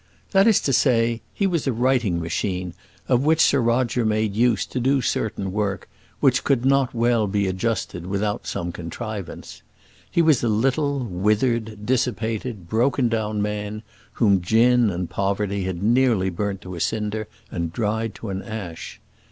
That is to say, he was a writing machine of which Sir Roger made use to do certain work which could not well be adjusted without some contrivance. He was a little, withered, dissipated, broken down man, whom gin and poverty had nearly burnt to a cinder, and dried to an ash.